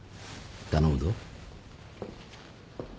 頼むぞ。